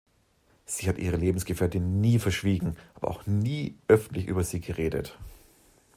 Sie hat ihre Lebensgefährtin nie verschwiegen, aber auch nie öffentlich über sie geredet.